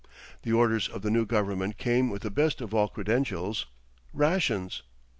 The orders of the new government came with the best of all credentials, rations.